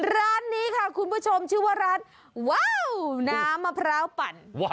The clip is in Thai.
ร้านนี้ค่ะคุณผู้ชมชื่อว่าร้านว้าวน้ำมะพร้าวปั่น